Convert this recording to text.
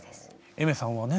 Ａｉｍｅｒさんはね